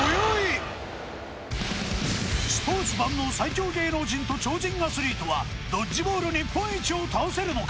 スポーツ万能最強芸能人と超人アスリートはドッジボール日本一を倒せるのか？